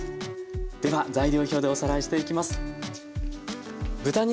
では材料表でおさらいしていきます。